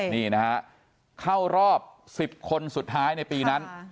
นี่นะฮะเข้ารอบ๑๐คนสุดท้ายในปีนั้น